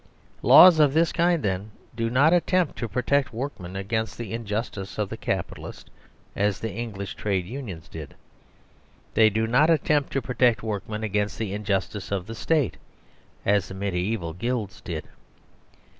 Laws of this kind, then, do not attempt to protect workmen against the injustice of the Capitalist as the English Trade Unions did. They do not attempt to protect workmen against the injustice of the State as the mediaeval guilds did.